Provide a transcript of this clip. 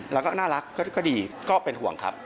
แล้วก็น่ารักก็ดีก็เป็นห่วงครับ